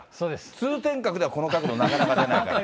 通天閣ではこの角度なかなか出ないから。